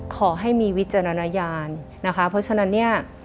ขอให้มีวิจารณญาณนะคะเพราะฉะนั้นเนี่ย